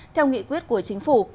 theo nghị quyết của chính phủ